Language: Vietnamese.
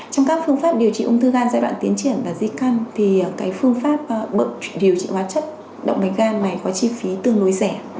trong các phương pháp điều trị ung thư gan giai đoạn tiến triển và di căn thì cái phương pháp điều trị hóa chất động mạch gan này có chi phí tương đối rẻ